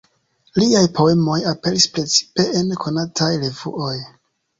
Liaj poemoj aperis precipe en konataj revuoj.